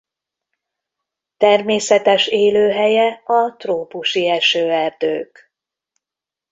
Természetes élőhelye a trópusi esőerdők.